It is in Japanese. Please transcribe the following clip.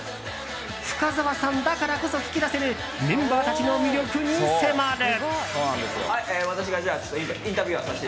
深澤さんだからこそ聞き出せるメンバーたちの魅力に迫る。